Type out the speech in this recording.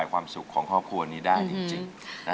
แก้มขอมาสู้เพื่อกล่องเสียงให้กับคุณพ่อใหม่นะครับ